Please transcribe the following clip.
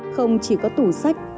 không chỉ có tủ sách